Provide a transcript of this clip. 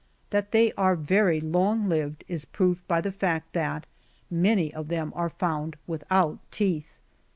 That they are very long lived is proved by the fact, that many of them are found without teeth.